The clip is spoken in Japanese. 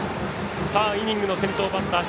イニングの先頭バッター